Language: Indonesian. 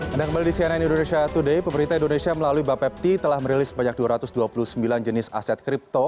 anda kembali di cnn indonesia today pemerintah indonesia melalui bapepti telah merilis sebanyak dua ratus dua puluh sembilan jenis aset kripto